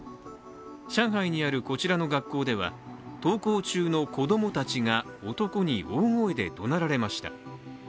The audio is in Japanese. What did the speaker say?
上海にあるこちらの学校では登校中の子供たちが男に大声でどなられました。